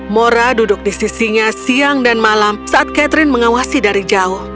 mora duduk di sisinya siang dan malam saat catherine mengawasi dari jauh